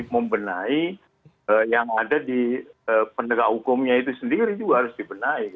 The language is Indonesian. membenahi yang ada di pendegak hukumnya itu sendiri juga harus dibenahi